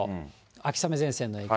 秋雨前線の影響。